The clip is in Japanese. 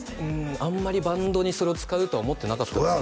あんまりバンドにそれを使うとは思ってなかったんですけど